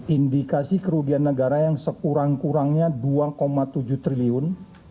indikasi kerugian negara yang sekurang kurangnya dua tujuh triliun